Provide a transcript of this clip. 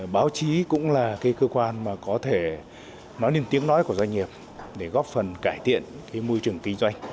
báo chí cũng là cái cơ quan mà có thể nói lên tiếng nói của doanh nghiệp để góp phần cải thiện môi trường kinh doanh